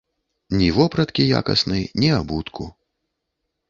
Ні вопраткі якаснай, ні абутку.